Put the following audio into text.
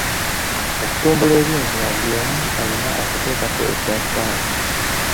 Okutumbula ebyensoma buli omu alina okuteekako ettaffaali.